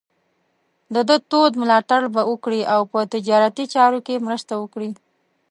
د ده تود ملاتړ به وکړي او په تجارتي چارو کې مرسته وکړي.